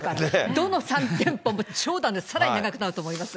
どの３店舗も長蛇がさらに長くなると思います。